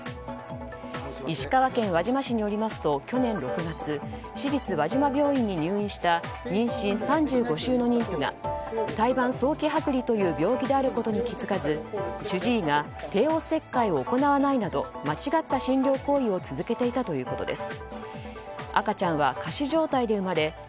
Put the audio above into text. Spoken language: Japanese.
石川県輪島市によりますと去年６月市立輪島病院に入院した妊娠３５週の妊婦が胎盤早期剥離という病気であることに気づかず主治医が帝王切開を行わないなど間違った診療行為を続けていたということです。